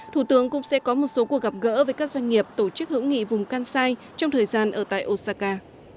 thủ tướng cũng sẽ có một số cuộc gặp gỡ với các doanh nghiệp tổ chức hữu nghị vùng kansai trong thời gian ở tại osaka